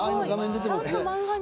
画面に出てますね。